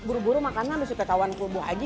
buru buru makan habis itu ketahuan bu boji